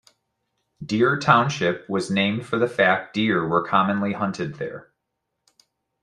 Deer Township was named for the fact deer were commonly hunted there.